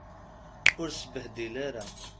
Ur sbehdil ara.